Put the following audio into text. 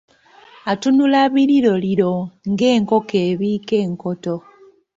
Atunula biriroliro, ng’enkoko ebiika enkoto.